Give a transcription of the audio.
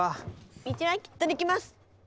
道はきっとできます！